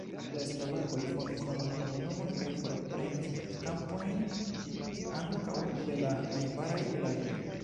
La slovakoj fondis novan komunumon kaj forprenis kampojn ankaŭ de la najbaraj vilaĝoj.